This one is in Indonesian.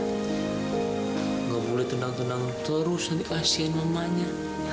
enggak boleh tenang tenang terus nanti kasihan mamanya